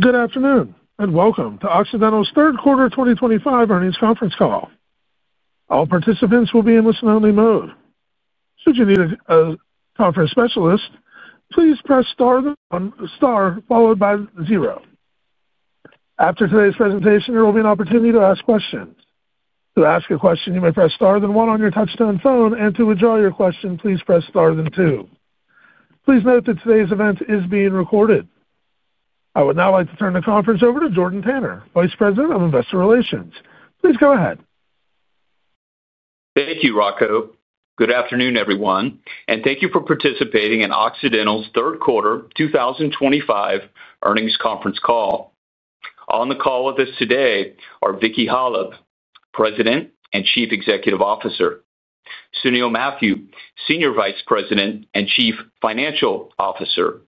Good afternoon and welcome to Occidental's third quarter 2025 earnings conference call. All participants will be in listen-only mode. Should you need a conference specialist, please press star followed by zero. After today's presentation, there will be an opportunity to ask questions. To ask a question, you may press star then one on your touchstone phone, and to withdraw your question, please press star then two. Please note that today's event is being recorded. I would now like to turn the conference over to Jordan Tanner, Vice President of Investor Relations. Please go ahead. Thank you, Rocco. Good afternoon, everyone, and thank you for participating in Occidental's third quarter 2025 earnings conference call. On the call with us today are Vicki Hollub, President and Chief Executive Officer; Sunil Mathew, Senior Vice President and Chief Financial Officer;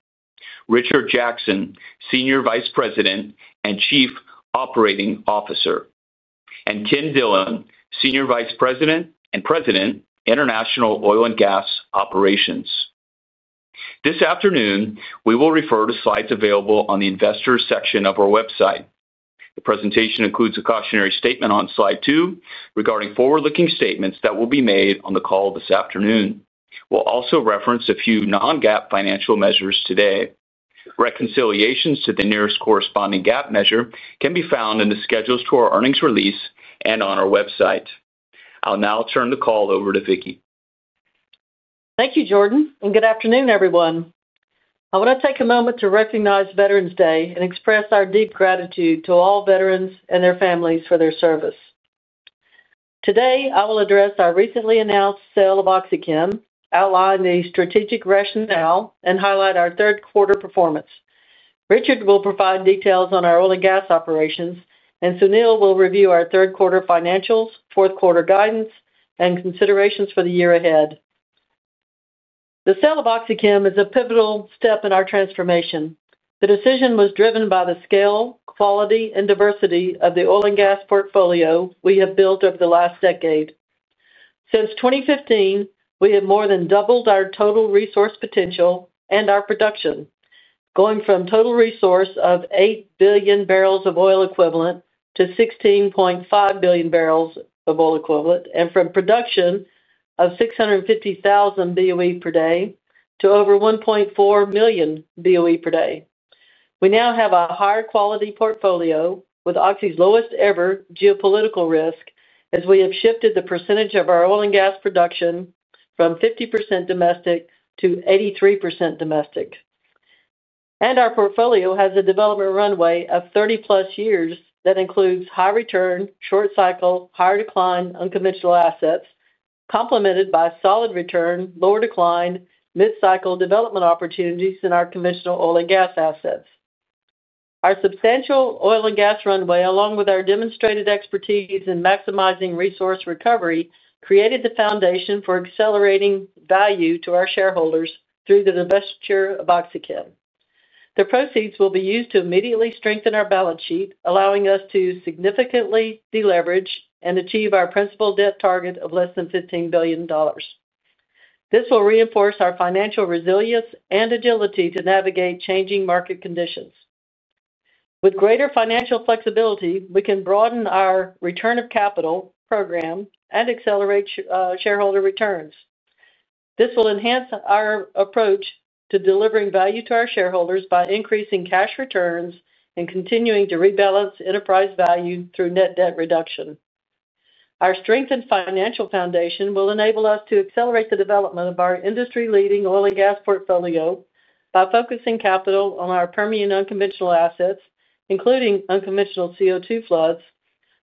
Richard Jackson, Senior Vice President and Chief Operating Officer; and Ken Dillon, Senior Vice President and President, International Oil and Gas Operations. This afternoon, we will refer to slides available on the Investors section of our website. The presentation includes a cautionary statement on slide two regarding forward-looking statements that will be made on the call this afternoon. We'll also reference a few non-GAAP financial measures today. Reconciliations to the nearest corresponding GAAP measure can be found in the schedules to our earnings release and on our website. I'll now turn the call over to Vicki. Thank you, Jordan, and good afternoon, everyone. I want to take a moment to recognize Veterans Day and express our deep gratitude to all veterans and their families for their service. Today, I will address our recently announced sale of OxyChem, outline the strategic rationale, and highlight our third quarter performance. Richard will provide details on our oil and gas operations, and Sunil will review our third quarter financials, fourth quarter guidance, and considerations for the year ahead. The sale of OxyChem is a pivotal step in our transformation. The decision was driven by the scale, quality, and diversity of the oil and gas portfolio we have built over the last decade. Since 2015, we have more than doubled our total resource potential and our production, going from total resource of 8 billion barrels of oil equivalent to 16.5 billion barrels of oil equivalent, and from production of 650,000 BOE per day to over 1.4 million BOE per day. We now have a higher quality portfolio with Oxy's lowest ever geopolitical risk, as we have shifted the percentage of our oil and gas production from 50% domestic to 83% domestic. Our portfolio has a development runway of 30-plus years that includes high return, short cycle, higher decline, unconventional assets, complemented by solid return, lower decline, mid-cycle development opportunities in our conventional oil and gas assets. Our substantial oil and gas runway, along with our demonstrated expertise in maximizing resource recovery, created the foundation for accelerating value to our shareholders through the investiture of OxyChem. The proceeds will be used to immediately strengthen our balance sheet, allowing us to significantly deleverage and achieve our principal debt target of less than $15 billion. This will reinforce our financial resilience and agility to navigate changing market conditions. With greater financial flexibility, we can broaden our return of capital program and accelerate shareholder returns. This will enhance our approach to delivering value to our shareholders by increasing cash returns and continuing to rebalance enterprise value through net debt reduction. Our strengthened financial foundation will enable us to accelerate the development of our industry-leading oil and gas portfolio by focusing capital on our Permian unconventional assets, including unconventional CO2 floods,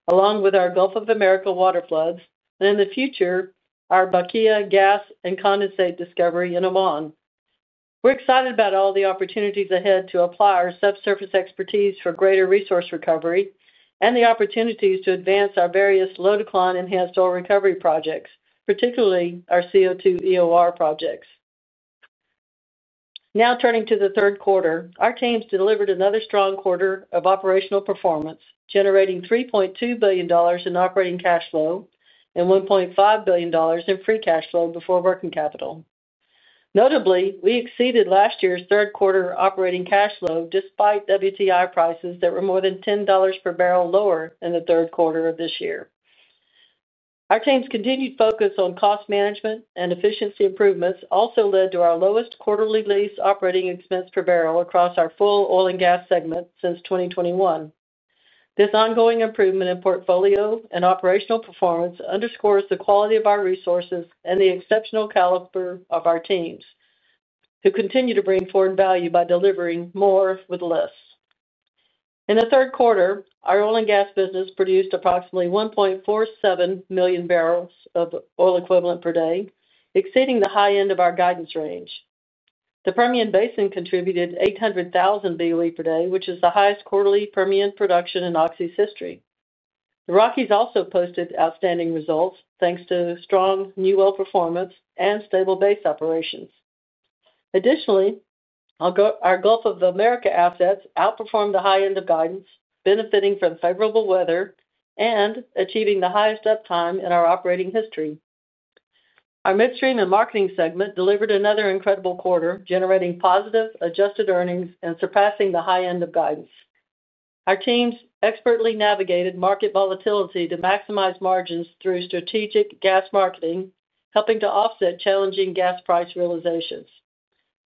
along with our Gulf of America water floods, and in the future, our Bakia gas and condensate discovery in Oman. We're excited about all the opportunities ahead to apply our subsurface expertise for greater resource recovery and the opportunities to advance our various low-decline enhanced oil recovery projects, particularly our CO2 EOR projects. Now turning to the third quarter, our teams delivered another strong quarter of operational performance, generating $3.2 billion in operating cash flow and $1.5 billion in free cash flow before working capital. Notably, we exceeded last year's third quarter operating cash flow despite WTI prices that were more than $10 per barrel lower in the third quarter of this year. Our team's continued focus on cost management and efficiency improvements also led to our lowest quarterly lease operating expense per barrel across our full oil and gas segment since 2021. This ongoing improvement in portfolio and operational performance underscores the quality of our resources and the exceptional caliber of our teams who continue to bring forward value by delivering more with less. In the third quarter, our oil and gas business produced approximately 1.47 million barrels of oil equivalent per day, exceeding the high end of our guidance range. The Permian Basin contributed 800,000 BOE per day, which is the highest quarterly Permian production in Oxy's history. The Rockies also posted outstanding results thanks to strong new oil performance and stable base operations. Additionally, our Gulf of America assets outperformed the high end of guidance, benefiting from favorable weather and achieving the highest uptime in our operating history. Our midstream and marketing segment delivered another incredible quarter, generating positive adjusted earnings and surpassing the high end of guidance. Our teams expertly navigated market volatility to maximize margins through strategic gas marketing, helping to offset challenging gas price realizations.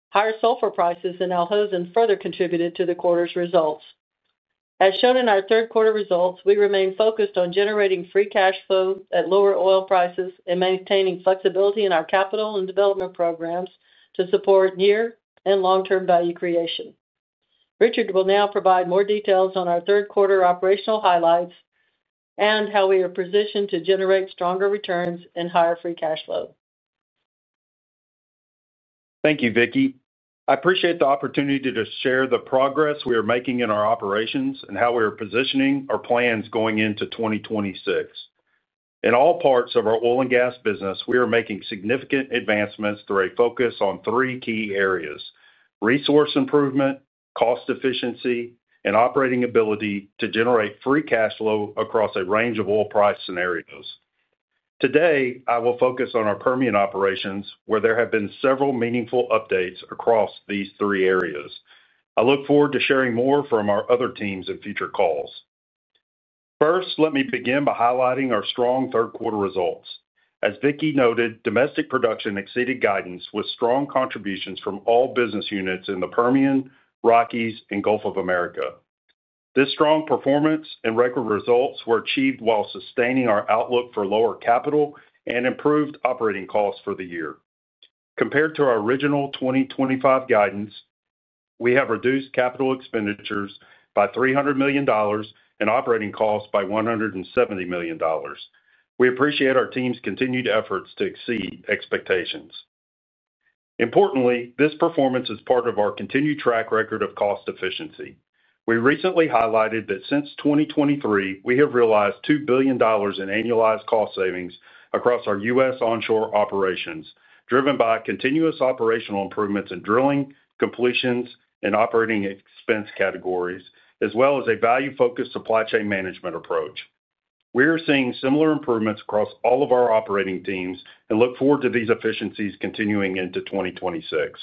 Higher sulfur prices in Al Hosn further contributed to the quarter's results. As shown in our third quarter results, we remain focused on generating free cash flow at lower oil prices and maintaining flexibility in our capital and development programs to support near and long-term value creation. Richard will now provide more details on our third quarter operational highlights and how we are positioned to generate stronger returns and higher free cash flow. Thank you, Vicki. I appreciate the opportunity to share the progress we are making in our operations and how we are positioning our plans going into 2026. In all parts of our oil and gas business, we are making significant advancements through a focus on three key areas: resource improvement, cost efficiency, and operating ability to generate free cash flow across a range of oil price scenarios. Today, I will focus on our Permian operations, where there have been several meaningful updates across these three areas. I look forward to sharing more from our other teams in future calls. First, let me begin by highlighting our strong third quarter results. As Vicki noted, domestic production exceeded guidance with strong contributions from all business units in the Permian, Rockies, and Gulf of America. This strong performance and record results were achieved while sustaining our outlook for lower capital and improved operating costs for the year. Compared to our original 2025 guidance, we have reduced capital expenditures by $300 million and operating costs by $170 million. We appreciate our team's continued efforts to exceed expectations. Importantly, this performance is part of our continued track record of cost efficiency. We recently highlighted that since 2023, we have realized $2 billion in annualized cost savings across our U.S. onshore operations, driven by continuous operational improvements in drilling, completions, and operating expense categories, as well as a value-focused supply chain management approach. We are seeing similar improvements across all of our operating teams and look forward to these efficiencies continuing into 2026.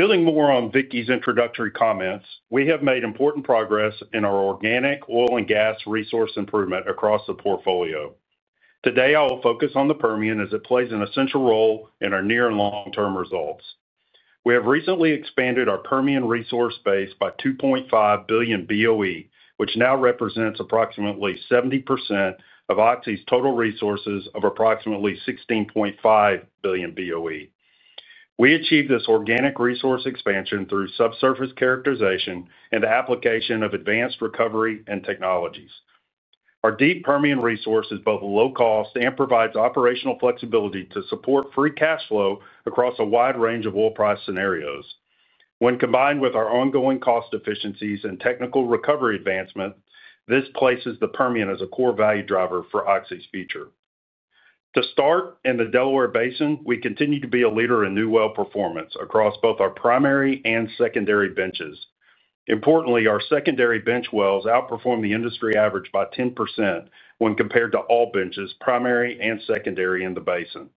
Building more on Vicki's introductory comments, we have made important progress in our organic oil and gas resource improvement across the portfolio. Today, I will focus on the Permian as it plays an essential role in our near and long-term results. We have recently expanded our Permian resource base by 2.5 billion BOE, which now represents approximately 70% of Oxy's total resources of approximately 16.5 billion BOE. We achieved this organic resource expansion through subsurface characterization and the application of advanced recovery and technologies. Our deep Permian resource is both low cost and provides operational flexibility to support free cash flow across a wide range of oil price scenarios. When combined with our ongoing cost efficiencies and technical recovery advancement, this places the Permian as a core value driver for Oxy's future. To start, in the Delaware Basin, we continue to be a leader in new oil performance across both our primary and secondary benches. Importantly, our secondary bench wells outperform the industry average by 10% when compared to all benches, primary and secondary in the basin.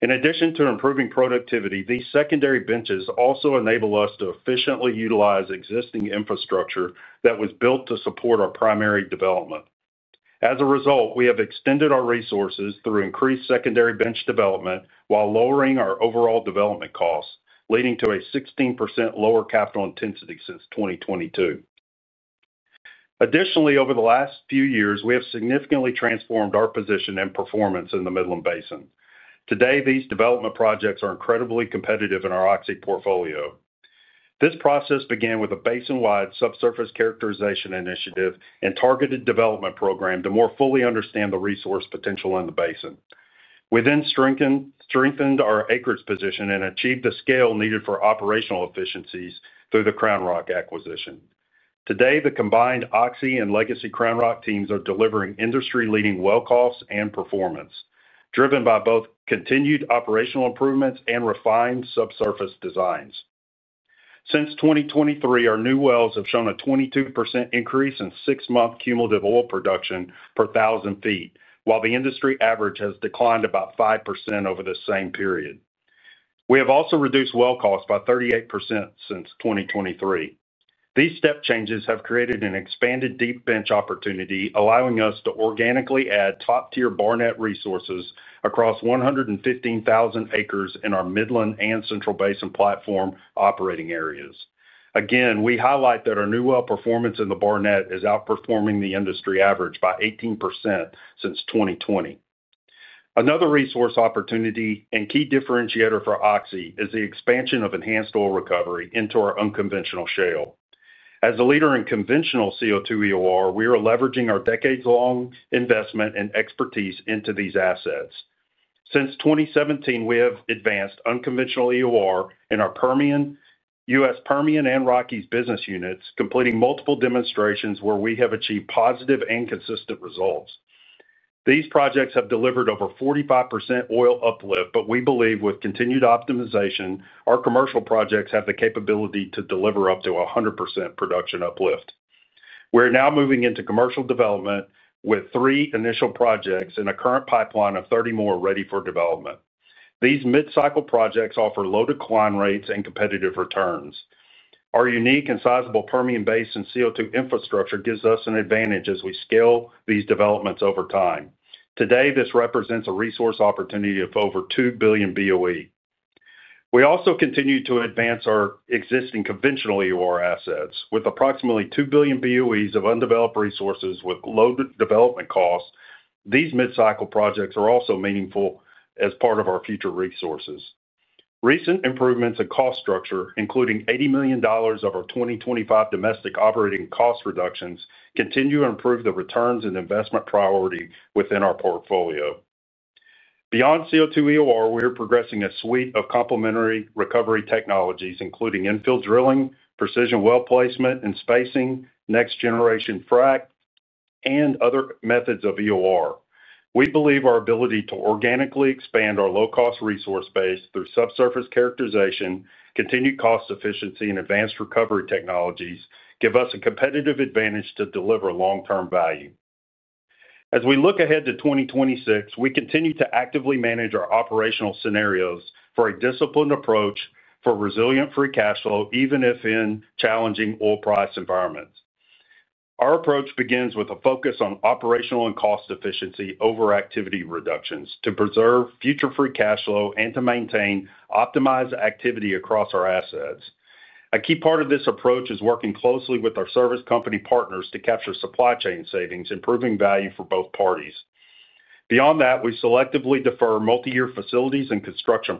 In addition to improving productivity, these secondary benches also enable us to efficiently utilize existing infrastructure that was built to support our primary development. As a result, we have extended our resources through increased secondary bench development while lowering our overall development costs, leading to a 16% lower capital intensity since 2022. Additionally, over the last few years, we have significantly transformed our position and performance in the Midland Basin. Today, these development projects are incredibly competitive in our Oxy portfolio. This process began with a basin-wide subsurface characterization initiative and targeted development program to more fully understand the resource potential in the basin. We then strengthened our acreage position and achieved the scale needed for operational efficiencies through the CrownRock acquisition. Today, the combined Oxy and legacy CrownRock teams are delivering industry-leading well costs and performance, driven by both continued operational improvements and refined subsurface designs. Since 2023, our new wells have shown a 22% increase in six-month cumulative oil production per 1,000 feet, while the industry average has declined about 5% over the same period. We have also reduced well costs by 38% since 2023. These step changes have created an expanded deep bench opportunity, allowing us to organically add top-tier Barnett resources across 115,000 acres in our Midland and Central Basin Platform operating areas. Again, we highlight that our new well performance in the Barnett is outperforming the industry average by 18% since 2020. Another resource opportunity and key differentiator for Oxy is the expansion of enhanced oil recovery into our unconventional shale. As a leader in conventional CO2 EOR, we are leveraging our decades-long investment and expertise into these assets. Since 2017, we have advanced unconventional EOR in our Permian, U.S. Permian, and Rockies business units, completing multiple demonstrations where we have achieved positive and consistent results. These projects have delivered over 45% oil uplift, but we believe with continued optimization, our commercial projects have the capability to deliver up to 100% production uplift. We are now moving into commercial development with three initial projects and a current pipeline of 30 more ready for development. These mid-cycle projects offer low decline rates and competitive returns. Our unique and sizable Permian Basin CO2 infrastructure gives us an advantage as we scale these developments over time. Today, this represents a resource opportunity of over 2 billion BOE. We also continue to advance our existing conventional EOR assets. With approximately 2 billion BOEs of undeveloped resources with low development costs, these mid-cycle projects are also meaningful as part of our future resources. Recent improvements in cost structure, including $80 million of our 2025 domestic operating cost reductions, continue to improve the returns and investment priority within our portfolio. Beyond CO2 EOR, we are progressing a suite of complementary recovery technologies, including infill drilling, precision well placement and spacing, next-generation frac, and other methods of EOR. We believe our ability to organically expand our low-cost resource base through subsurface characterization, continued cost efficiency, and advanced recovery technologies gives us a competitive advantage to deliver long-term value. As we look ahead to 2026, we continue to actively manage our operational scenarios for a disciplined approach for resilient free cash flow, even if in challenging oil price environments. Our approach begins with a focus on operational and cost efficiency over activity reductions to preserve future free cash flow and to maintain optimized activity across our assets. A key part of this approach is working closely with our service company partners to capture supply chain savings, improving value for both parties. Beyond that, we selectively defer multi-year facilities and construction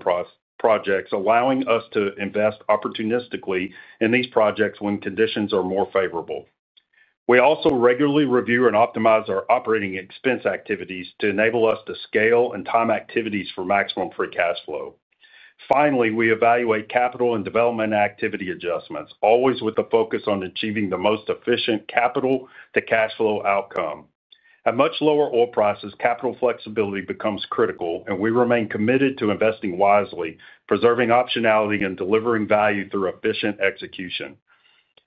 projects, allowing us to invest opportunistically in these projects when conditions are more favorable. We also regularly review and optimize our operating expense activities to enable us to scale and time activities for maximum free cash flow. Finally, we evaluate capital and development activity adjustments, always with a focus on achieving the most efficient capital-to-cash flow outcome. At much lower oil prices, capital flexibility becomes critical, and we remain committed to investing wisely, preserving optionality and delivering value through efficient execution.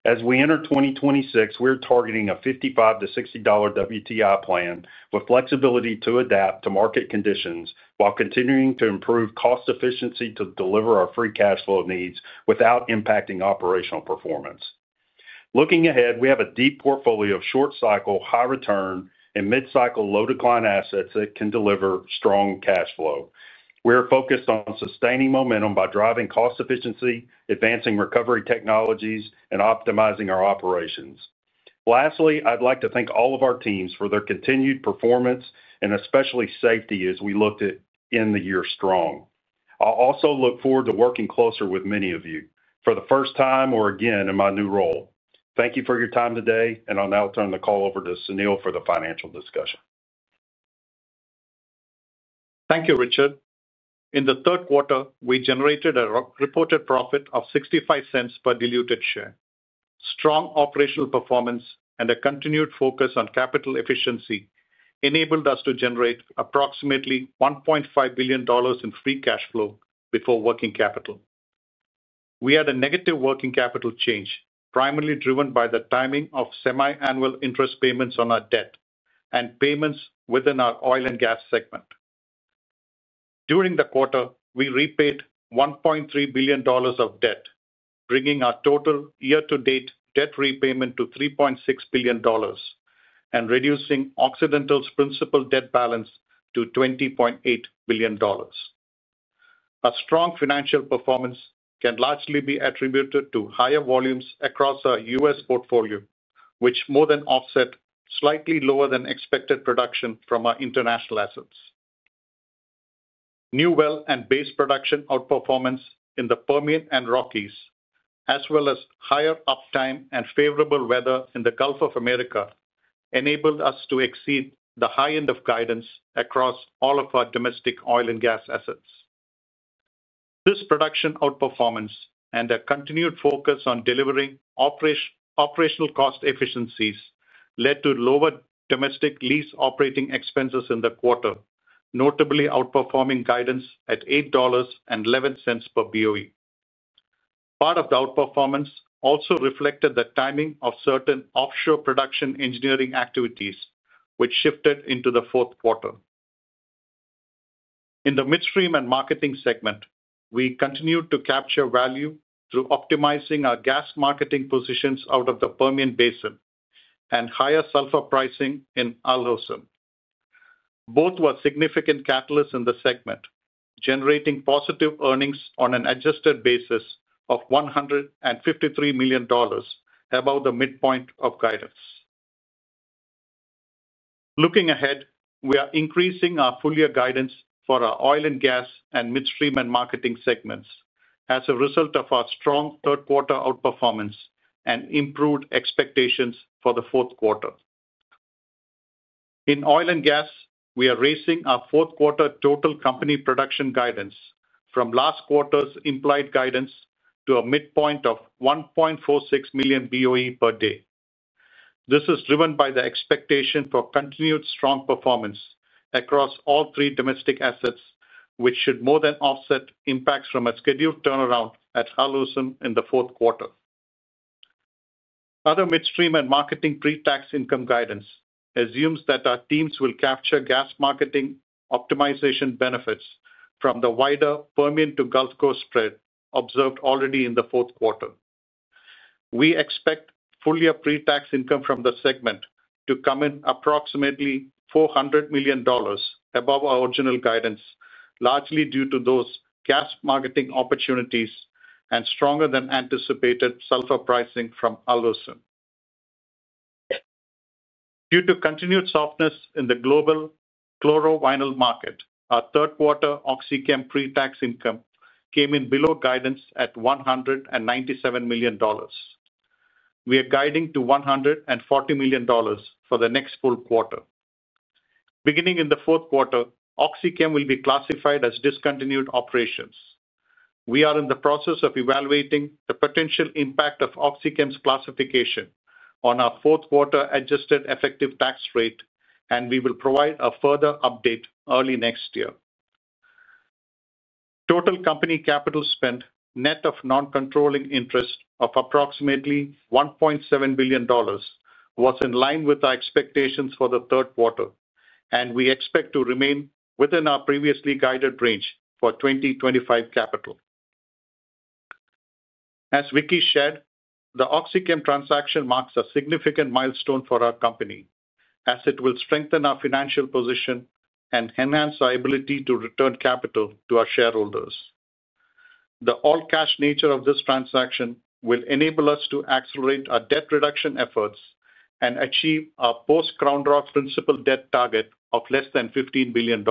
As we enter 2026, we are targeting a $55-$60 WTI plan with flexibility to adapt to market conditions while continuing to improve cost efficiency to deliver our free cash flow needs without impacting operational performance. Looking ahead, we have a deep portfolio of short-cycle, high-return, and mid-cycle low-decline assets that can deliver strong cash flow. We are focused on sustaining momentum by driving cost efficiency, advancing recovery technologies, and optimizing our operations. Lastly, I'd like to thank all of our teams for their continued performance and especially safety as we looked in the year strong. I'll also look forward to working closer with many of you for the first time or again in my new role. Thank you for your time today, and I'll now turn the call over to Sunil for the financial discussion. Thank you, Richard. In the third quarter, we generated a reported profit of $0.65 per diluted share. Strong operational performance and a continued focus on capital efficiency enabled us to generate approximately $1.5 billion in free cash flow before working capital. We had a negative working capital change, primarily driven by the timing of semi-annual interest payments on our debt and payments within our oil and gas segment. During the quarter, we repaid $1.3 billion of debt, bringing our total year-to-date debt repayment to $3.6 billion and reducing Occidental's principal debt balance to $20.8 billion. A strong financial performance can largely be attributed to higher volumes across our U.S. portfolio, which more than offset slightly lower than expected production from our international assets. New well and base production outperformance in the Permian and Rockies, as well as higher uptime and favorable weather in the Gulf of America, enabled us to exceed the high end of guidance across all of our domestic oil and gas assets. This production outperformance and a continued focus on delivering operational cost efficiencies led to lower domestic lease operating expenses in the quarter, notably outperforming guidance at $8.11 per BOE. Part of the outperformance also reflected the timing of certain offshore production engineering activities, which shifted into the fourth quarter. In the midstream and marketing segment, we continued to capture value through optimizing our gas marketing positions out of the Permian Basin and higher sulfur pricing in Al Hosn. Both were significant catalysts in the segment, generating positive earnings on an adjusted basis of $153 million above the midpoint of guidance. Looking ahead, we are increasing our full-year guidance for our oil and gas and midstream and marketing segments as a result of our strong third quarter outperformance and improved expectations for the fourth quarter. In oil and gas, we are raising our fourth quarter total company production guidance from last quarter's implied guidance to a midpoint of 1.46 million BOE per day. This is driven by the expectation for continued strong performance across all three domestic assets, which should more than offset impacts from a scheduled turnaround at Al Hosn in the fourth quarter. Other midstream and marketing pre-tax income guidance assumes that our teams will capture gas marketing optimization benefits from the wider Permian to Gulf Coast spread observed already in the fourth quarter. We expect full-year pre-tax income from the segment to come in approximately $400 million above our original guidance, largely due to those gas marketing opportunities and stronger than anticipated sulfur pricing from Al Hosn. Due to continued softness in the global chloro-vinyl market, our third quarter OxyChem pre-tax income came in below guidance at $197 million. We are guiding to $140 million for the next full quarter. Beginning in the fourth quarter, OxyChem will be classified as discontinued operations. We are in the process of evaluating the potential impact of OxyChem's classification on our fourth quarter adjusted effective tax rate, and we will provide a further update early next year. Total company capital spent, net of non-controlling interest of approximately $1.7 billion, was in line with our expectations for the third quarter, and we expect to remain within our previously guided range for 2025 capital. As Vicki shared, the OxyChem transaction marks a significant milestone for our company, as it will strengthen our financial position and enhance our ability to return capital to our shareholders. The all-cash nature of this transaction will enable us to accelerate our debt reduction efforts and achieve our post-CrownRock principal debt target of less than $15 billion.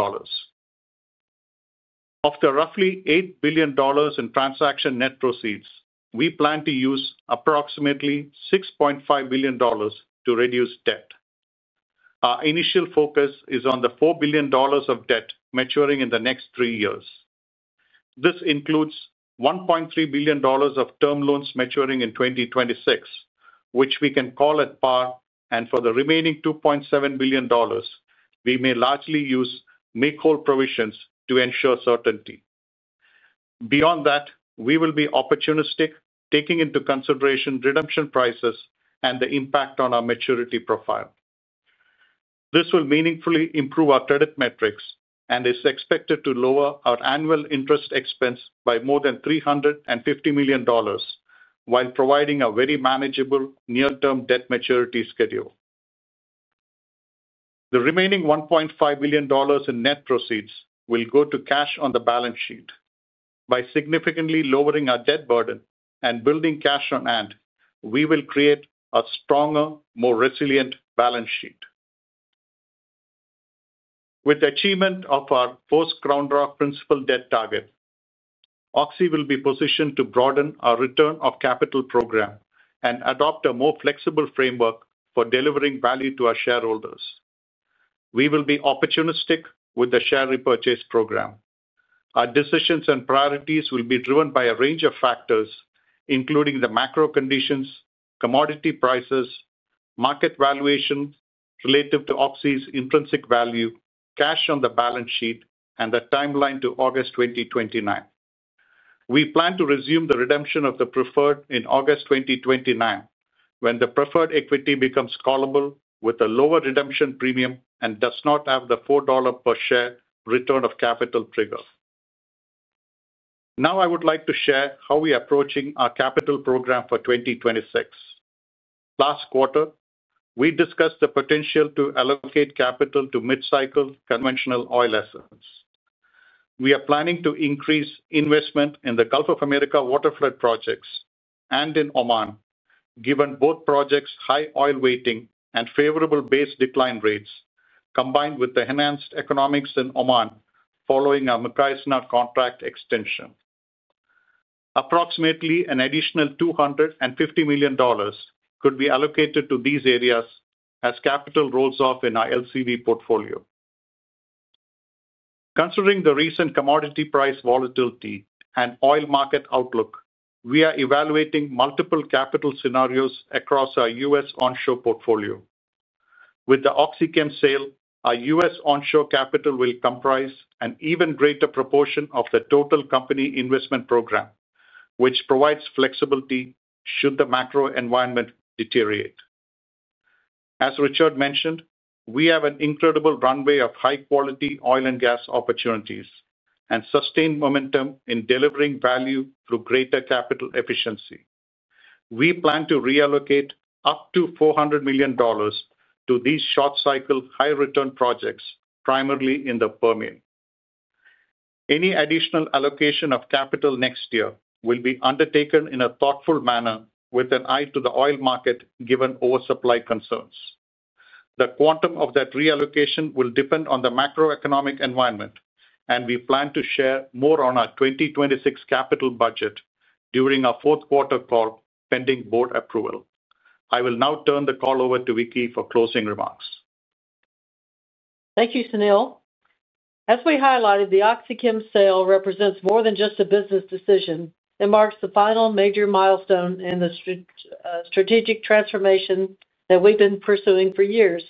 Of the roughly $8 billion in transaction net proceeds, we plan to use approximately $6.5 billion to reduce debt. Our initial focus is on the $4 billion of debt maturing in the next three years. This includes $1.3 billion of term loans maturing in 2026, which we can call at par, and for the remaining $2.7 billion, we may largely use make-whole provisions to ensure certainty. Beyond that, we will be opportunistic, taking into consideration redemption prices and the impact on our maturity profile. This will meaningfully improve our credit metrics and is expected to lower our annual interest expense by more than $350 million while providing a very manageable near-term debt maturity schedule. The remaining $1.5 billion in net proceeds will go to cash on the balance sheet. By significantly lowering our debt burden and building cash on hand, we will create a stronger, more resilient balance sheet. With the achievement of our post-CrownRock principal debt target, Oxy will be positioned to broaden our return of capital program and adopt a more flexible framework for delivering value to our shareholders. We will be opportunistic with the share repurchase program. Our decisions and priorities will be driven by a range of factors, including the macro conditions, commodity prices, market valuation relative to Oxy's intrinsic value, cash on the balance sheet, and the timeline to August 2029. We plan to resume the redemption of the preferred in August 2029 when the preferred equity becomes callable with a lower redemption premium and does not have the $4 per share return of capital trigger. Now, I would like to share how we are approaching our capital program for 2026. Last quarter, we discussed the potential to allocate capital to mid-cycle conventional oil assets. We are planning to increase investment in the Gulf of America water flood projects and in Oman, given both projects' high oil weighting and favorable base decline rates, combined with the enhanced economics in Oman following our Mukhaisnar contract extension. Approximately an additional $250 million could be allocated to these areas as capital rolls off in our LCV portfolio. Considering the recent commodity price volatility and oil market outlook, we are evaluating multiple capital scenarios across our U.S. onshore portfolio. With the OxyChem sale, our U.S. Onshore capital will comprise an even greater proportion of the total company investment program, which provides flexibility should the macro environment deteriorate. As Richard mentioned, we have an incredible runway of high-quality oil and gas opportunities and sustained momentum in delivering value through greater capital efficiency. We plan to reallocate up to $400 million to these short-cycle high-return projects, primarily in the Permian. Any additional allocation of capital next year will be undertaken in a thoughtful manner with an eye to the oil market, given oversupply concerns. The quantum of that reallocation will depend on the macroeconomic environment, and we plan to share more on our 2026 capital budget during our fourth quarter call pending board approval. I will now turn the call over to Vicki for closing remarks. Thank you, Sunil. As we highlighted, the OxyChem sale represents more than just a business decision. It marks the final major milestone in the strategic transformation that we've been pursuing for years.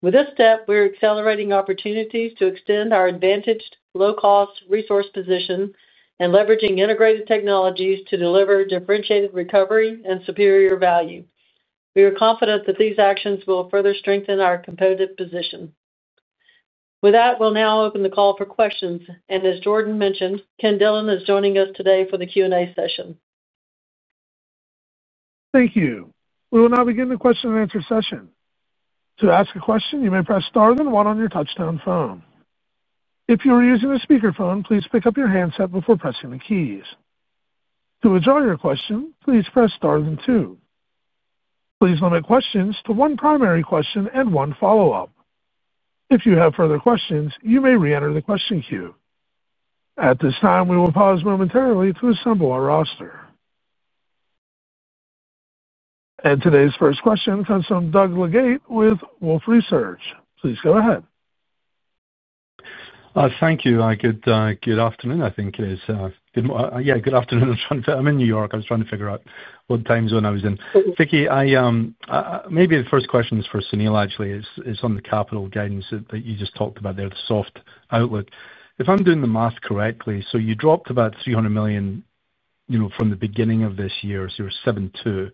With this step, we're accelerating opportunities to extend our advantaged low-cost resource position and leveraging integrated technologies to deliver differentiated recovery and superior value. We are confident that these actions will further strengthen our competitive position. With that, we'll now open the call for questions. As Jordan mentioned, Ken Dillon is joining us today for the Q&A session. Thank you. We will now begin the question-and-answer session. To ask a question, you may press star then one on your touch-tone phone. If you are using a speakerphone, please pick up your handset before pressing the keys. To withdraw your question, please press star then two. Please limit questions to one primary question and one follow-up. If you have further questions, you may re-enter the question queue. At this time, we will pause momentarily to assemble our roster. Today's first question comes from Doug Leggate with Wolf Research. Please go ahead. Thank you. Good afternoon. I think it's good afternoon. I'm in New York. I was trying to figure out what time zone I was in. Vicki, maybe the first question is for Sunil, actually. It's on the capital gains that you just talked about there, the soft outlook. If I'm doing the math correctly, so you dropped about $300 million from the beginning of this year, so you were $72,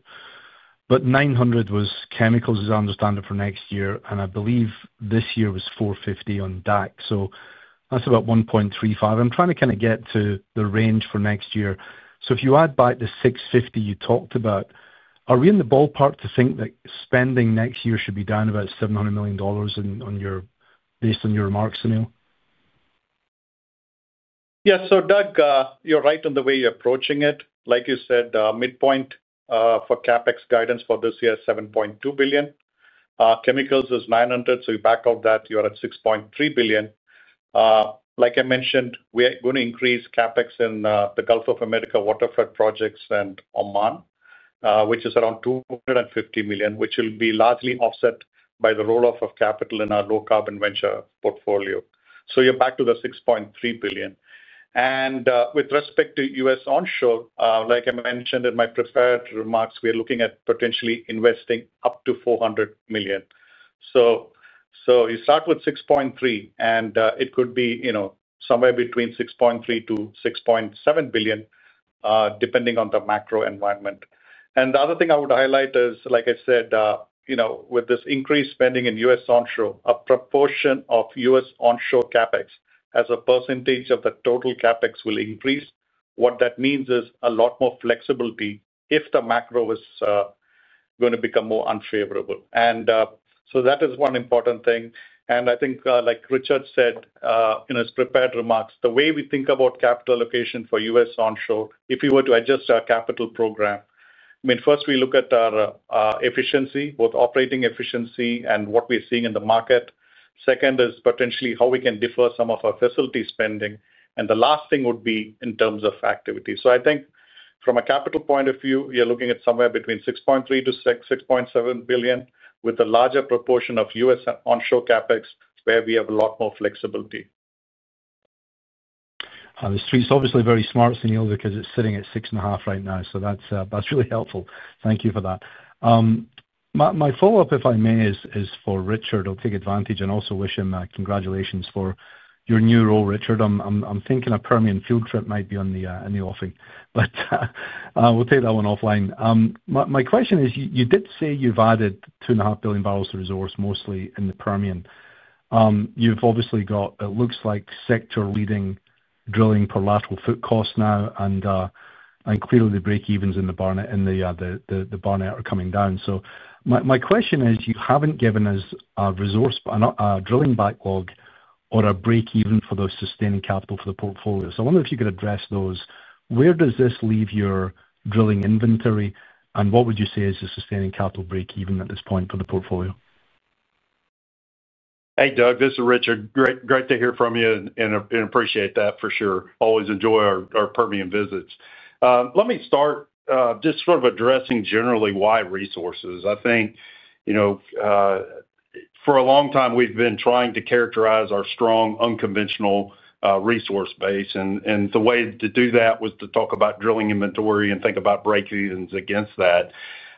but $900 million was chemicals, as I understand it, for next year. And I believe this year was $450 million on DAC. So that's about $1.35 billion. I'm trying to kind of get to the range for next year. If you add back the $650 million you talked about, are we in the ballpark to think that spending next year should be down about $700 million based on your remarks, Sunil? Yeah. So Doug, you're right on the way you're approaching it. Like you said, midpoint for CapEx guidance for this year is $7.2 billion. Chemicals is $900 million. You back out that, you're at $6.3 billion. Like I mentioned, we're going to increase CapEx in the Gulf of America water flood projects and Oman, which is around $250 million, which will be largely offset by the roll-off of capital in our low-carbon venture portfolio. You're back to the $6.3 billion. With respect to U.S. onshore, like I mentioned in my prepared remarks, we are looking at potentially investing up to $400 million. You start with $6.3 billion, and it could be somewhere between $6.3 billion-$6.7 billion, depending on the macro environment. The other thing I would highlight is, like I said, with this increased spending in U.S. onshore, a proportion of U.S. Onshore CapEx as a percentage of the total CapEx will increase. What that means is a lot more flexibility if the macro is going to become more unfavorable. That is one important thing. I think, like Richard said in his prepared remarks, the way we think about capital allocation for U.S. onshore, if we were to adjust our capital program, I mean, first, we look at our efficiency, both operating efficiency and what we are seeing in the market. Second is potentially how we can defer some of our facility spending. The last thing would be in terms of activity. I think from a capital point of view, you are looking at somewhere between $6.3 billion-$6.7 billion with a larger proportion of U.S. onshore CapEx, where we have a lot more flexibility. This stream is obviously very smart, Sunil, because it's sitting at $6.5 right now. That's really helpful. Thank you for that. My follow-up, if I may, is for Richard. I'll take advantage and also wish him congratulations for your new role, Richard. I'm thinking a Permian field trip might be on the offing, but we'll take that one offline. My question is, you did say you've added $2.5 billion resource, mostly in the Permian. You've obviously got, it looks like, sector-leading drilling per lateral foot cost now, and clearly the break-evens in the bar net are coming down. My question is, you haven't given us a resource, a drilling backlog, or a break-even for the sustaining capital for the portfolio. I wonder if you could address those. Where does this leave your drilling inventory, and what would you say is the sustaining capital break-even at this point for the portfolio? Hey, Doug. This is Richard. Great to hear from you and appreciate that for sure. Always enjoy our Permian visits. Let me start just sort of addressing generally why resources. I think for a long time, we've been trying to characterize our strong unconventional resource base. And the way to do that was to talk about drilling inventory and think about break-evens against that.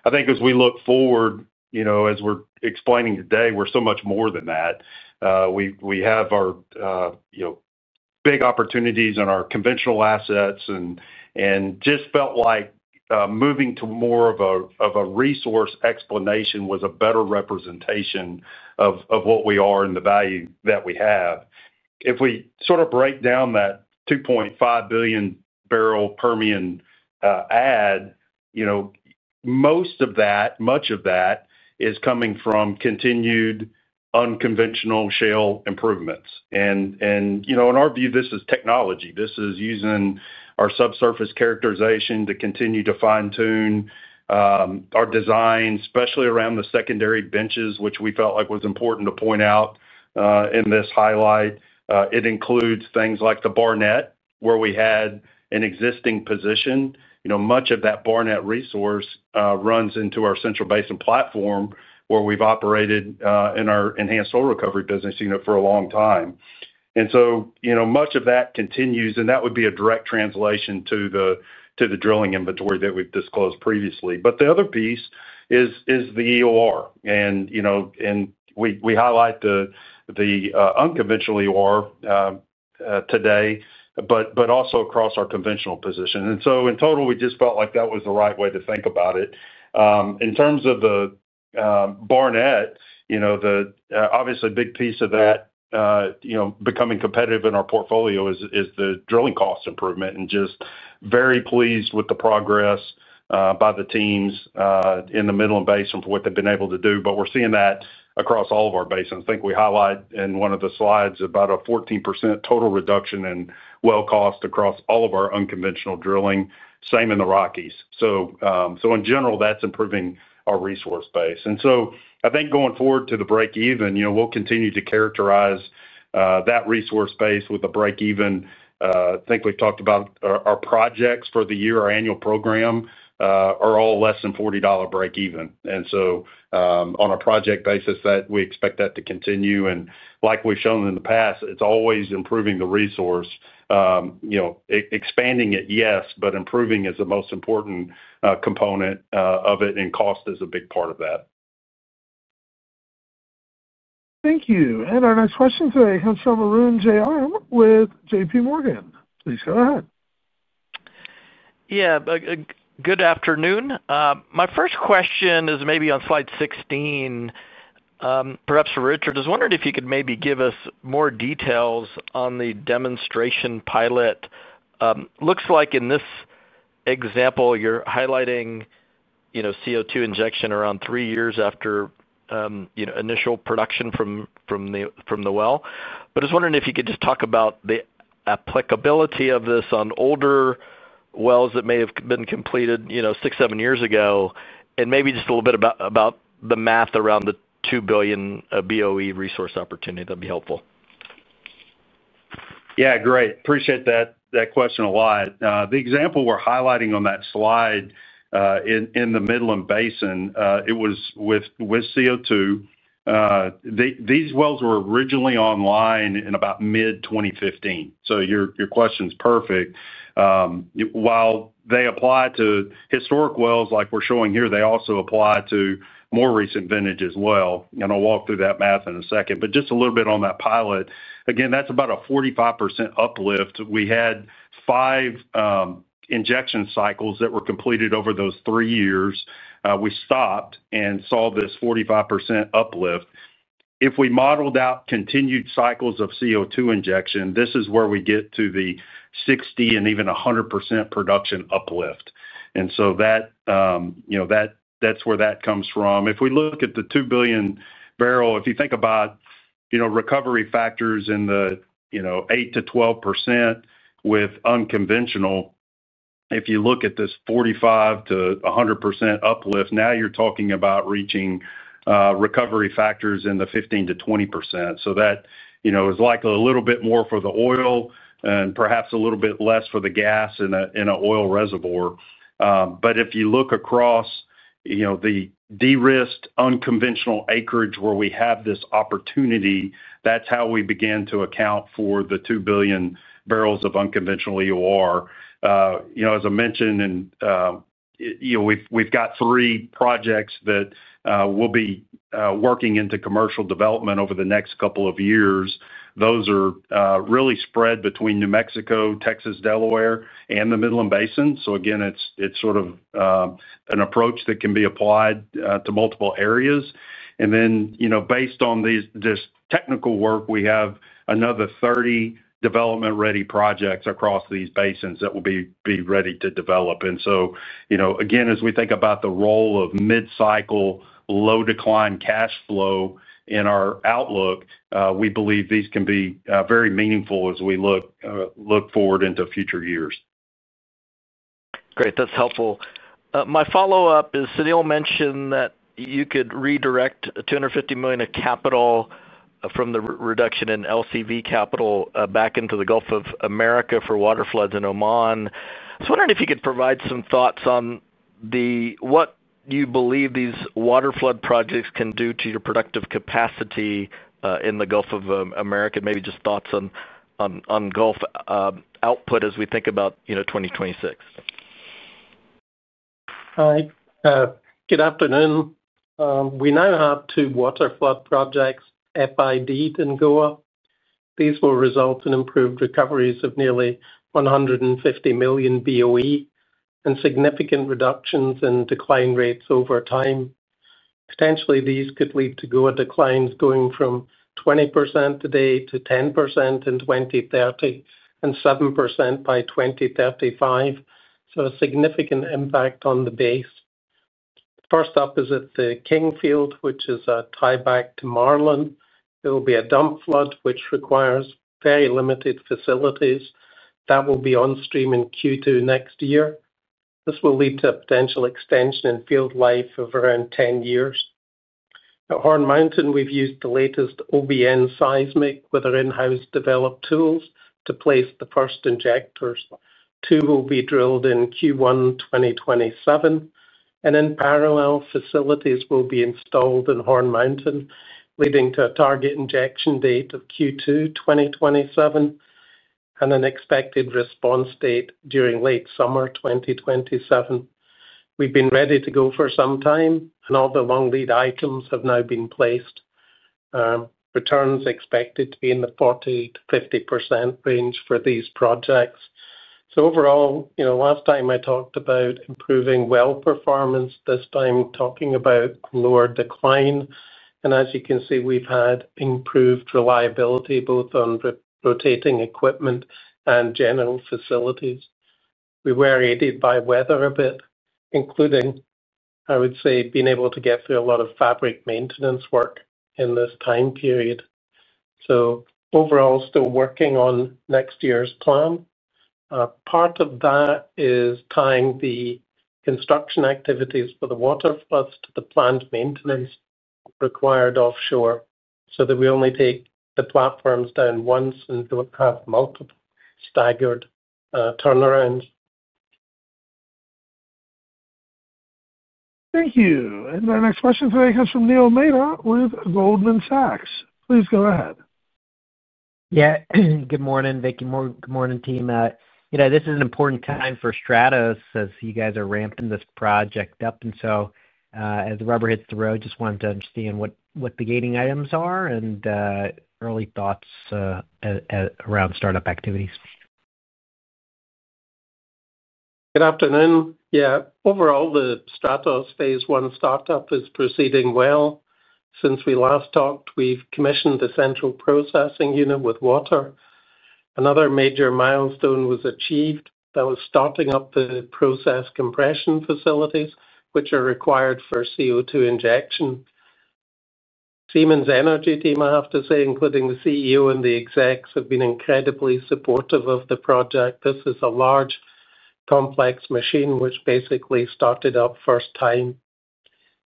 I think as we look forward, as we're explaining today, we're so much more than that. We have our big opportunities in our conventional assets and just felt like moving to more of a resource explanation was a better representation of what we are and the value that we have. If we sort of break down that $2.5 billion barrel Permian add, most of that, much of that, is coming from continued unconventional shale improvements. And in our view, this is technology. This is using our subsurface characterization to continue to fine-tune our design, especially around the secondary benches, which we felt like was important to point out in this highlight. It includes things like the Barnett, where we had an existing position. Much of that Barnett resource runs into our Central Basin Platform, where we've operated in our enhanced oil recovery business for a long time. Much of that continues, and that would be a direct translation to the drilling inventory that we've disclosed previously. The other piece is the EOR. We highlight the unconventional EOR today, but also across our conventional position. In total, we just felt like that was the right way to think about it. In terms of the Barnett, obviously, a big piece of that becoming competitive in our portfolio is the drilling cost improvement. Just very pleased with the progress by the teams in the Midland Basin for what they've been able to do. We're seeing that across all of our basins. I think we highlight in one of the slides about a 14% total reduction in well cost across all of our unconventional drilling, same in the Rockies. In general, that's improving our resource base. I think going forward to the break-even, we'll continue to characterize that resource base with a break-even. I think we've talked about our projects for the year. Our annual program are all less than $40 break-even. On a project basis, we expect that to continue. Like we've shown in the past, it's always improving the resource. Expanding it, yes, but improving is the most important component of it, and cost is a big part of that. Thank you. Our next question today, Marron G.M. with JP Morgan. Please go ahead. Yeah. Good afternoon. My first question is maybe on slide 16, perhaps for Richard. I was wondering if you could maybe give us more details on the demonstration pilot. Looks like in this example, you're highlighting CO2 injection around three years after initial production from the well. I was wondering if you could just talk about the applicability of this on older wells that may have been completed six, seven years ago, and maybe just a little bit about the math around the $2 billion BOE resource opportunity. That'd be helpful. Yeah. Great. Appreciate that question a lot. The example we're highlighting on that slide in the Midland Basin, it was with CO2. These wells were originally online in about mid-2015. Your question's perfect. While they apply to historic wells like we're showing here, they also apply to more recent vintage as well. I'll walk through that math in a second. Just a little bit on that pilot. Again, that's about a 45% uplift. We had five injection cycles that were completed over those three years. We stopped and saw this 45% uplift. If we modeled out continued cycles of CO2 injection, this is where we get to the 60% and even 100% production uplift. That's where that comes from. If we look at the $2 billion barrel, if you think about recovery factors in the 8-12% with unconventional, if you look at this 45-100% uplift, now you're talking about reaching recovery factors in the 15-20%. That is likely a little bit more for the oil and perhaps a little bit less for the gas in an oil reservoir. If you look across the de-risked unconventional acreage where we have this opportunity, that's how we began to account for the $2 billion barrels of unconventional EOR. As I mentioned, we've got three projects that will be working into commercial development over the next couple of years. Those are really spread between New Mexico, Texas, Delaware, and the Midland Basin. Again, it's sort of an approach that can be applied to multiple areas. Based on this technical work, we have another 30 development-ready projects across these basins that will be ready to develop. Again, as we think about the role of mid-cycle low decline cash flow in our outlook, we believe these can be very meaningful as we look forward into future years. Great. That's helpful. My follow-up is Sunil mentioned that you could redirect $250 million of capital from the reduction in LCV capital back into the Gulf of America for water floods in Oman. I was wondering if you could provide some thoughts on what you believe these water flood projects can do to your productive capacity in the Gulf of America, maybe just thoughts on Gulf output as we think about 2026. Hi. Good afternoon. We now have two water flood projects, FID and GOA. These will result in improved recoveries of nearly $150 million BOE and significant reductions in decline rates over time. Potentially, these could lead to GOA declines going from 20% today to 10% in 2030 and 7% by 2035. A significant impact on the base. First up is at the Kingfield, which is a tieback to Marlin. There will be a dump flood, which requires very limited facilities. That will be on stream in Q2 next year. This will lead to a potential extension in field life of around 10 years. At Horn Mountain, we've used the latest OBN seismic with our in-house developed tools to place the first injectors. Two will be drilled in Q1 2027. In parallel, facilities will be installed in Horn Mountain, leading to a target injection date of Q2 2027 and an expected response date during late summer 2027. We have been ready to go for some time, and all the long lead items have now been placed. Returns expected to be in the 40-50% range for these projects. Overall, last time I talked about improving well performance, this time talking about lower decline. As you can see, we have had improved reliability both on rotating equipment and general facilities. We were aided by weather a bit, including, I would say, being able to get through a lot of fabric maintenance work in this time period. Overall, still working on next year's plan. Part of that is tying the construction activities for the water floods to the planned maintenance required offshore so that we only take the platforms down once and do not have multiple staggered turnarounds. Thank you. Our next question today comes from Neil Mehta with Goldman Sachs. Please go ahead. Yeah. Good morning, Vicki. Good morning, team. This is an important time for Stratos as you guys are ramping this project up. As the rubber hits the road, just wanted to understand what the gating items are and early thoughts around startup activities. Good afternoon. Yeah. Overall, the Stratos phase one startup is proceeding well. Since we last talked, we've commissioned the central processing unit with water. Another major milestone was achieved. That was starting up the process compression facilities, which are required for CO2 injection. Siemens Energy, team, I have to say, including the CEO and the execs, have been incredibly supportive of the project. This is a large, complex machine, which basically started up first time.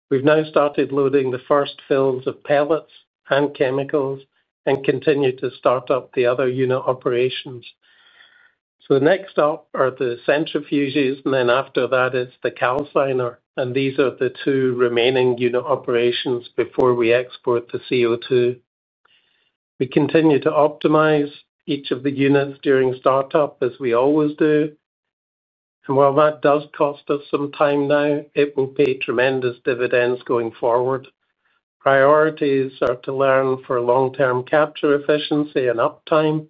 We've now started loading the first fills of pellets and chemicals and continue to start up the other unit operations. The next up are the centrifuges, and after that is the calciner. These are the two remaining unit operations before we export the CO2. We continue to optimize each of the units during startup, as we always do. While that does cost us some time now, it will pay tremendous dividends going forward. Priorities are to learn for long-term capture efficiency and uptime.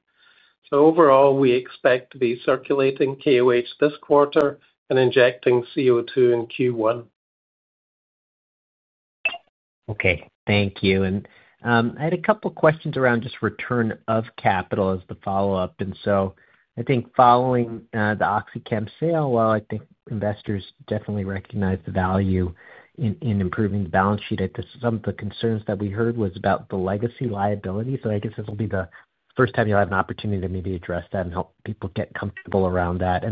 Overall, we expect to be circulating KOH this quarter and injecting CO2 in Q1. Okay. Thank you. I had a couple of questions around just return of capital as the follow-up. I think following the OxyChem sale, I think investors definitely recognize the value in improving the balance sheet. Some of the concerns that we heard was about the legacy liability. I guess this will be the first time you'll have an opportunity to maybe address that and help people get comfortable around that.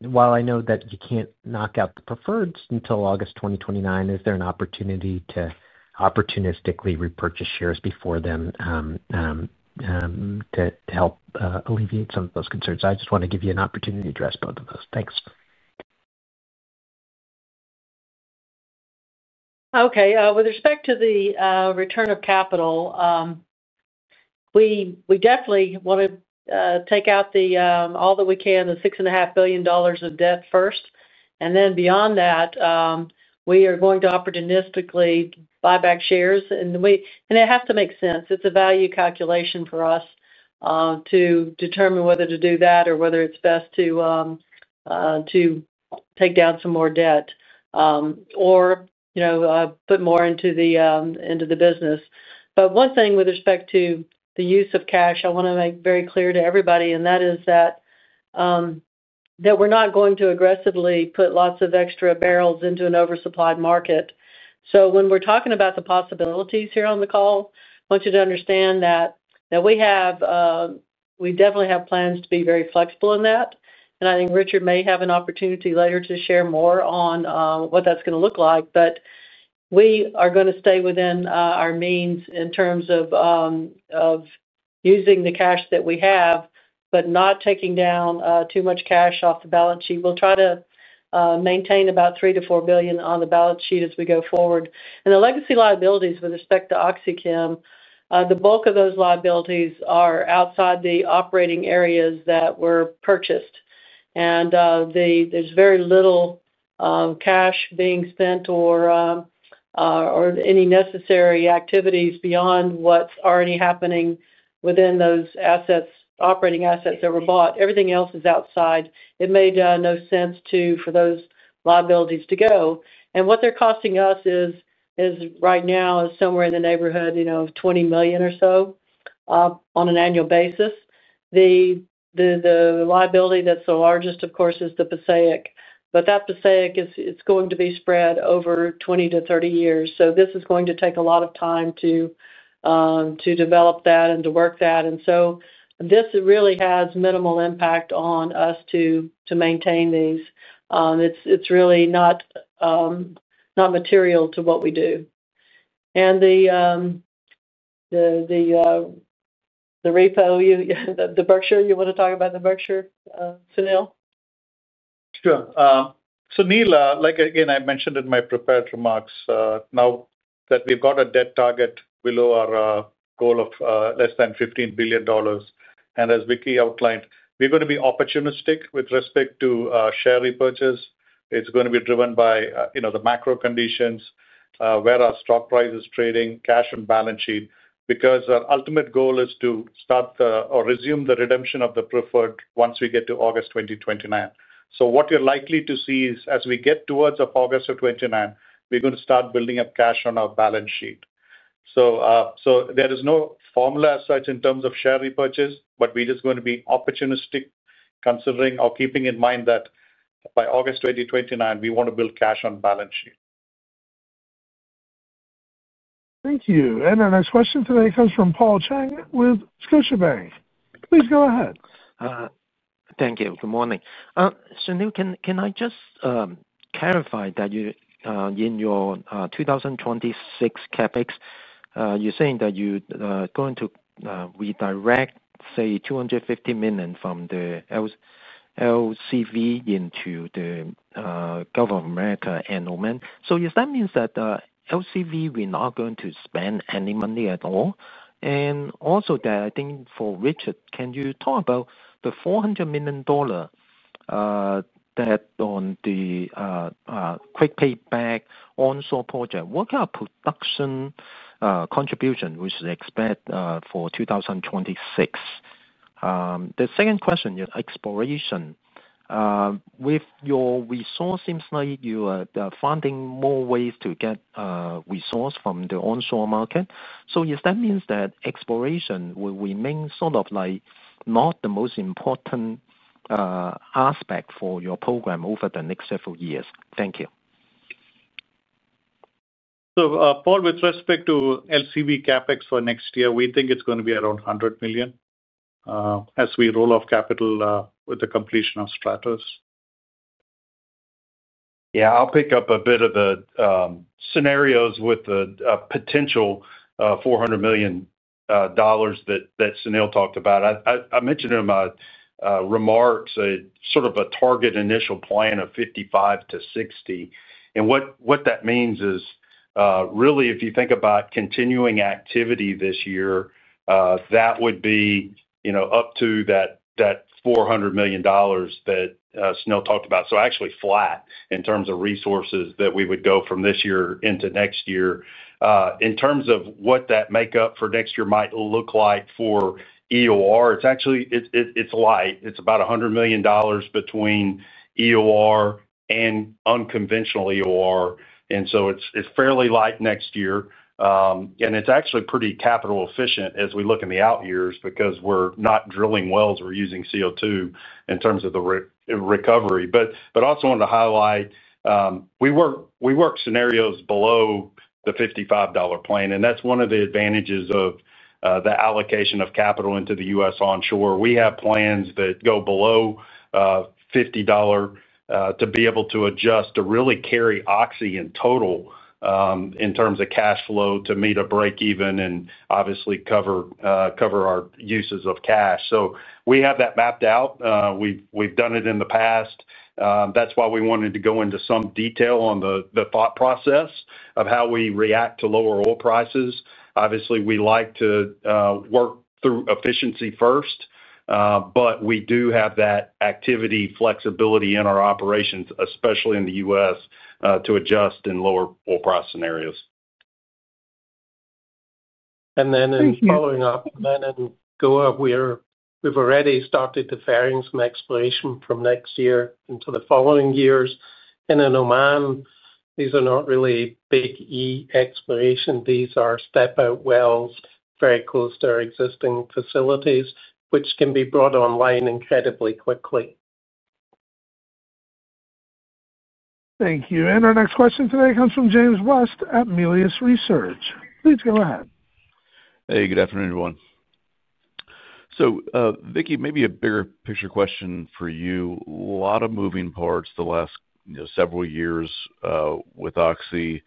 While I know that you can't knock out the preferreds until August 2029, is there an opportunity to opportunistically repurchase shares before then to help alleviate some of those concerns? I just want to give you an opportunity to address both of those. Thanks. Okay. With respect to the return of capital, we definitely want to take out all that we can, the $6.5 billion of debt first. Then beyond that, we are going to opportunistically buy back shares. It has to make sense. It's a value calculation for us to determine whether to do that or whether it's best to take down some more debt or put more into the business. One thing with respect to the use of cash, I want to make very clear to everybody, and that is that we're not going to aggressively put lots of extra barrels into an oversupplied market. When we're talking about the possibilities here on the call, I want you to understand that we definitely have plans to be very flexible in that. I think Richard may have an opportunity later to share more on what that's going to look like. We are going to stay within our means in terms of using the cash that we have, but not taking down too much cash off the balance sheet. We'll try to maintain about $3 billion-$4 billion on the balance sheet as we go forward. The legacy liabilities with respect to OxyChem, the bulk of those liabilities are outside the operating areas that were purchased. There's very little cash being spent or any necessary activities beyond what's already happening within those operating assets that were bought. Everything else is outside. It made no sense for those liabilities to go. What they're costing us right now is somewhere in the neighborhood of $20 million or so on an annual basis. The liability that's the largest, of course, is the Passaic. That Passaic, it's going to be spread over 20-30 years. This is going to take a lot of time to develop that and to work that. This really has minimal impact on us to maintain these. It's really not material to what we do. The repo, you want to talk about the Berkshire, Sunil? Sure. So Neil, like again, I mentioned in my prepared remarks, now that we have got a debt target below our goal of less than $15 billion, and as Vicki outlined, we are going to be opportunistic with respect to share repurchase. It is going to be driven by the macro conditions, where our stock price is trading, cash on balance sheet, because our ultimate goal is to start or resume the redemption of the preferred once we get to August 2029. What you are likely to see is as we get towards August of 2029, we are going to start building up cash on our balance sheet. There is no formula as such in terms of share repurchase, but we are just going to be opportunistic considering or keeping in mind that by August 2029, we want to build cash on balance sheet. Thank you. Our next question today comes from Paul Cheng with Scotiabank. Please go ahead. Thank you. Good morning. Sunil, can I just clarify that in your 2026 CapEx, you're saying that you're going to redirect, say, $250 million from the LCV into the Gulf of America and Oman. Does that mean that LCV, we're not going to spend any money at all? I think for Richard, can you talk about the $400 million debt on the QuickPayback onshore project? What kind of production contribution was expected for 2026? The second question, exploration. With your resource, it seems like you are finding more ways to get resource from the onshore market. Does that mean that exploration will remain sort of like not the most important aspect for your program over the next several years? Thank you. Paul, with respect to LCV CapEx for next year, we think it's going to be around $100 million as we roll off capital with the completion of Stratos. Yeah. I'll pick up a bit of the scenarios with the potential $400 million that Sunil talked about. I mentioned in my remarks sort of a target initial plan of $55-$60. What that means is really, if you think about continuing activity this year, that would be up to that $400 million that Sunil talked about. Actually flat in terms of resources that we would go from this year into next year. In terms of what that makeup for next year might look like for EOR, it's actually light. It's about $100 million between EOR and unconventional EOR. It's fairly light next year. It's actually pretty capital efficient as we look in the out years because we're not drilling wells. We're using CO2 in terms of the recovery. I also wanted to highlight we work scenarios below the $55 plan. That is one of the advantages of the allocation of capital into the U.S. onshore. We have plans that go below $50 to be able to adjust to really carry Oxy in total in terms of cash flow to meet a break-even and obviously cover our uses of cash. We have that mapped out. We have done it in the past. That is why we wanted to go into some detail on the thought process of how we react to lower oil prices. Obviously, we like to work through efficiency first, but we do have that activity flexibility in our operations, especially in the U.S., to adjust in lower oil price scenarios. Then in Goa, we've already started the fairings from exploration from next year into the following years. In Oman, these are not really big E exploration. These are step-out wells very close to our existing facilities, which can be brought online incredibly quickly. Thank you. Our next question today comes from James West at Melius Research. Please go ahead. Hey, good afternoon, everyone. Vicki, maybe a bigger picture question for you. A lot of moving parts the last several years with Oxy.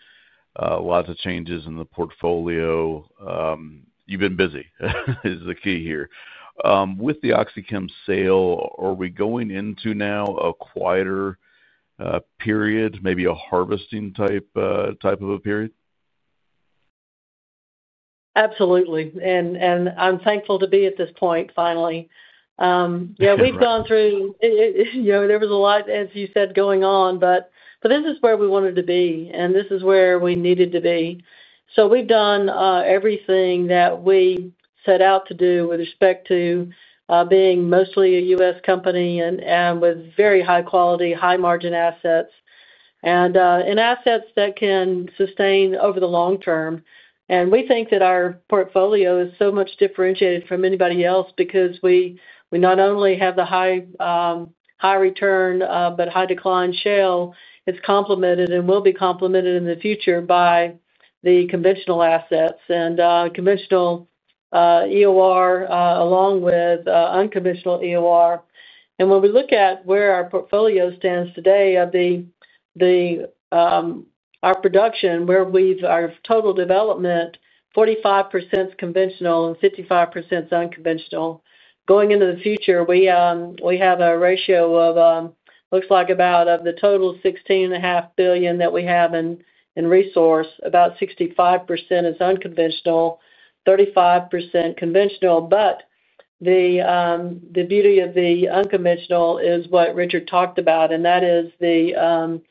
Lots of changes in the portfolio. You've been busy is the key here. With the OxyChem sale, are we going into now a quieter period, maybe a harvesting type of a period? Absolutely. I'm thankful to be at this point finally. Yeah, we've gone through, there was a lot, as you said, going on, but this is where we wanted to be, and this is where we needed to be. We've done everything that we set out to do with respect to being mostly a U.S. company and with very high-quality, high-margin assets and assets that can sustain over the long term. We think that our portfolio is so much differentiated from anybody else because we not only have the high-return, but high-decline shale. It's complemented and will be complemented in the future by the conventional assets and conventional EOR along with unconventional EOR. When we look at where our portfolio stands today of our production, where our total development, 45% is conventional and 55% is unconventional. Going into the future, we have a ratio of looks like about of the total $16.5 billion that we have in resource, about 65% is unconventional, 35% conventional. The beauty of the unconventional is what Richard talked about, and that is the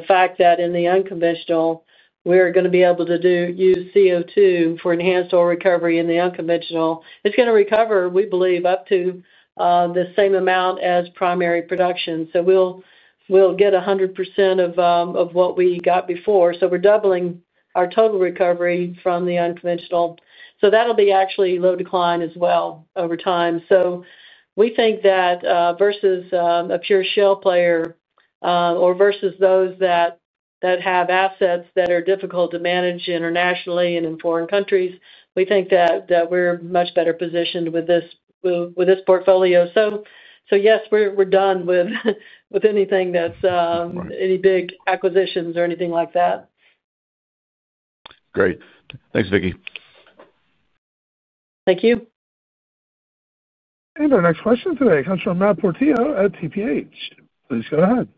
fact that in the unconventional, we're going to be able to use CO2 for enhanced oil recovery in the unconventional. It's going to recover, we believe, up to the same amount as primary production. We'll get 100% of what we got before. We're doubling our total recovery from the unconventional. That'll be actually low decline as well over time. We think that versus a pure shale player or versus those that have assets that are difficult to manage internationally and in foreign countries, we think that we're much better positioned with this portfolio. Yes, we're done with anything that's any big acquisitions or anything like that. Great. Thanks, Vicki. Thank you. Our next question today comes from Matt Portillo at TPH. Please go ahead.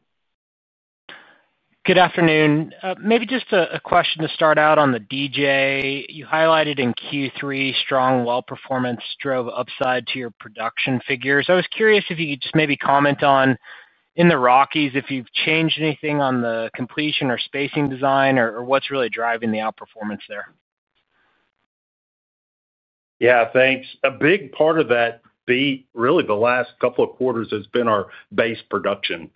Good afternoon. Maybe just a question to start out on the DJ. You highlighted in Q3 strong well-performance drove upside to your production figures. I was curious if you could just maybe comment on in the Rockies if you've changed anything on the completion or spacing design or what's really driving the outperformance there. Yeah, thanks. A big part of that beat really the last couple of quarters has been our base production.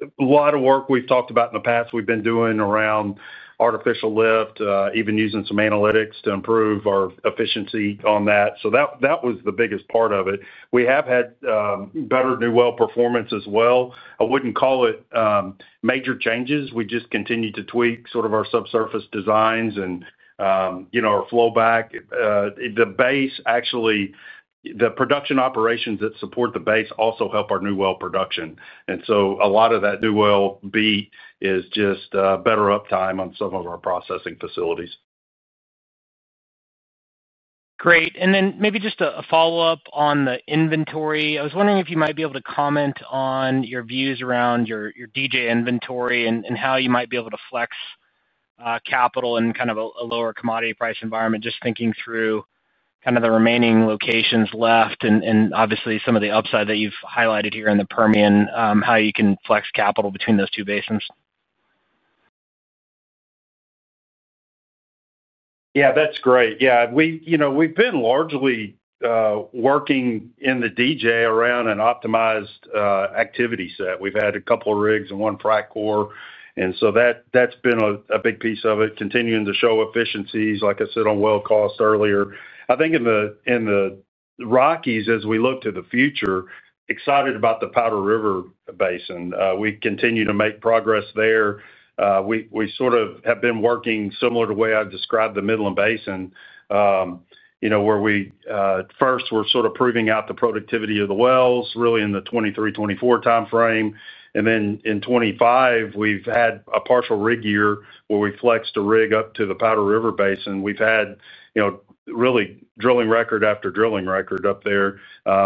A lot of work we've talked about in the past we've been doing around artificial lift, even using some analytics to improve our efficiency on that. That was the biggest part of it. We have had better new well performance as well. I wouldn't call it major changes. We just continue to tweak sort of our subsurface designs and our flow back. The base, actually, the production operations that support the base also help our new well production. A lot of that new well beat is just better uptime on some of our processing facilities. Great. Maybe just a follow-up on the inventory. I was wondering if you might be able to comment on your views around your DJ inventory and how you might be able to flex capital in kind of a lower commodity price environment, just thinking through kind of the remaining locations left and obviously some of the upside that you've highlighted here in the Permian, how you can flex capital between those two basins. Yeah, that's great. Yeah. We've been largely working in the DJ around an optimized activity set. We've had a couple of rigs and one Frac Core. That's been a big piece of it, continuing to show efficiencies, like I said, on well cost earlier. I think in the Rockies, as we look to the future, excited about the Powder River Basin. We continue to make progress there. We sort of have been working similar to the way I described the Midland Basin, where we first were sort of proving out the productivity of the wells really in the 2023-2024 timeframe. In 2025, we've had a partial rig year where we flexed a rig up to the Powder River Basin. We've had really drilling record after drilling record up there.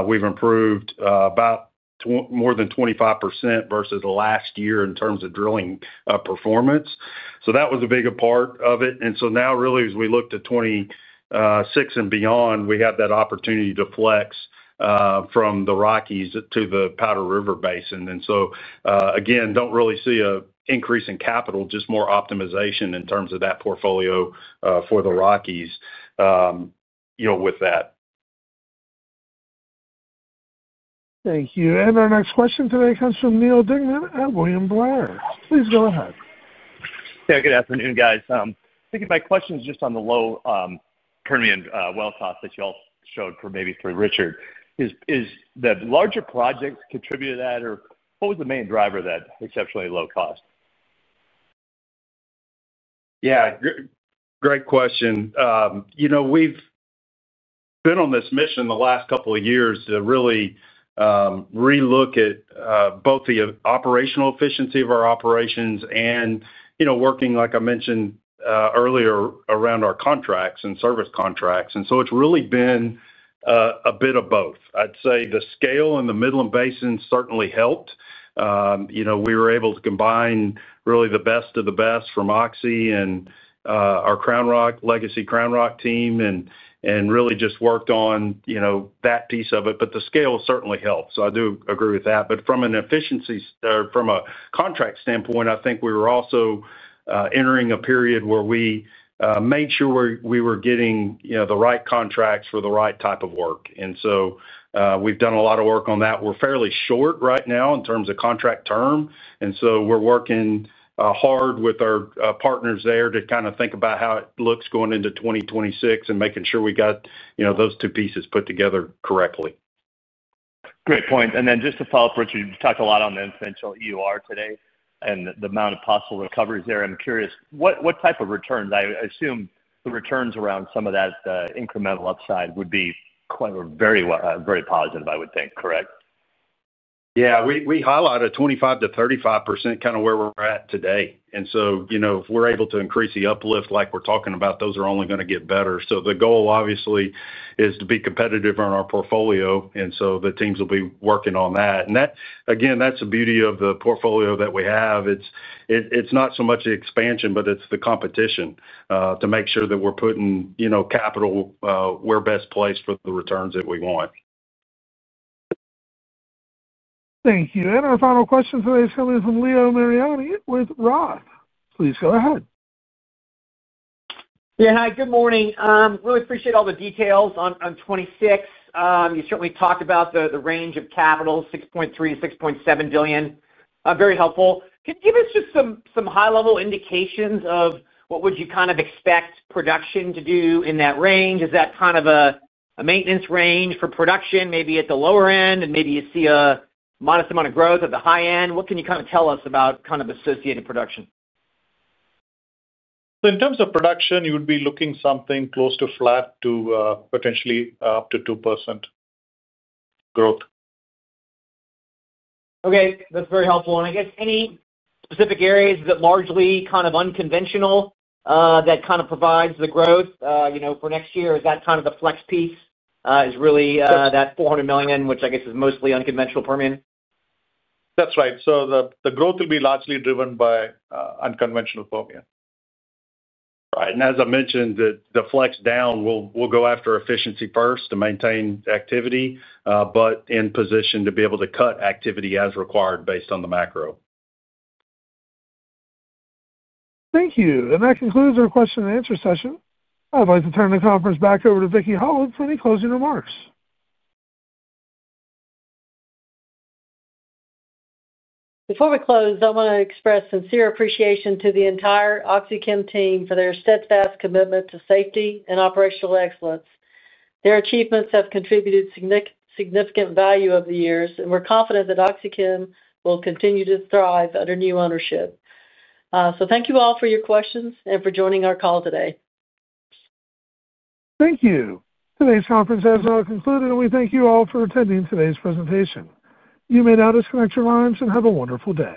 We've improved about more than 25% versus last year in terms of drilling performance. That was a bigger part of it. Now really, as we look to 2026 and beyond, we have that opportunity to flex from the Rockies to the Powder River Basin. Again, do not really see an increase in capital, just more optimization in terms of that portfolio for the Rockies with that. Thank you. Our next question today comes from Neal Dingmann at William Blair. Please go ahead. Yeah, good afternoon, guys. I think my question is just on the low Permian well cost that you all showed for maybe through Richard. Is the larger projects contributed to that, or what was the main driver of that exceptionally low cost? Yeah. Great question. We've been on this mission the last couple of years to really relook at both the operational efficiency of our operations and working, like I mentioned earlier, around our contracts and service contracts. It's really been a bit of both. I'd say the scale in the Midland Basin certainly helped. We were able to combine really the best of the best from Oxy and our CrownRock, legacy CrownRock team, and really just worked on that piece of it. The scale certainly helped. I do agree with that. From an efficiency or from a contract standpoint, I think we were also entering a period where we made sure we were getting the right contracts for the right type of work. We have done a lot of work on that. We are fairly short right now in terms of contract term. We are working hard with our partners there to kind of think about how it looks going into 2026 and making sure we got those two pieces put together correctly. Great point. Just to follow up, Richard, you have talked a lot on the EOR today and the amount of possible recoveries there. I am curious, what type of returns? I assume the returns around some of that incremental upside would be quite very positive, I would think, correct? Yeah. We highlighted 25%-35% kind of where we are at today. If we're able to increase the uplift like we're talking about, those are only going to get better. The goal obviously is to be competitive on our portfolio. The teams will be working on that. Again, that's the beauty of the portfolio that we have. It's not so much the expansion, but it's the competition to make sure that we're putting capital where best placed for the returns that we want. Thank you. Our final question today is coming from Leo Mariani with Roth. Please go ahead. Yeah. Hi, good morning. Really appreciate all the details on 2026. You certainly talked about the range of capital, $6.3 billion-$6.7 billion. Very helpful. Can you give us just some high-level indications of what would you kind of expect production to do in that range? Is that kind of a maintenance range for production, maybe at the lower end, and maybe you see a modest amount of growth at the high end? What can you kind of tell us about kind of associated production? In terms of production, you would be looking something close to flat to potentially up to 2% growth. Okay. That's very helpful. I guess any specific areas that largely kind of unconventional that kind of provides the growth for next year? Is that kind of the flex piece is really that $400 million, which I guess is mostly unconventional Permian? That's right. The growth will be largely driven by unconventional Permian. Right. As I mentioned, the flex down, we'll go after efficiency first to maintain activity, but in position to be able to cut activity as required based on the macro. Thank you. That concludes our question and answer session. I'd like to turn the conference back over to Vicki Hollub for any closing remarks. Before we close, I want to express sincere appreciation to the entire OxyChem team for their steadfast commitment to safety and operational excellence. Their achievements have contributed significant value over the years, and we are confident that OxyChem will continue to thrive under new ownership. Thank you all for your questions and for joining our call today. Thank you. Today's conference has now concluded, and we thank you all for attending today's presentation. You may now disconnect your lines and have a wonderful day.